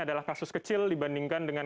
adalah kasus kecil dibandingkan dengan